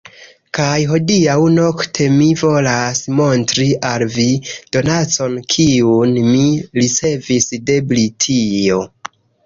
Kaj hodiaŭ nokte mi volas montri al vi, donacon kiun mi ricevis de Britio.